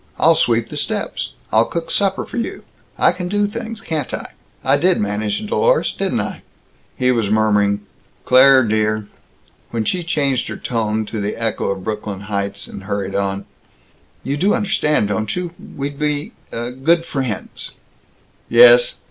I'll sweep the steps. I'll cook supper for you. I can do things, can't I! I did manage Dlorus, didn't I!" He was murmuring, "Claire, dear!" when she changed her tone to the echo of Brooklyn Heights, and hurried on, "You do understand, don't you! We'll be, uh, good friends." "Yes."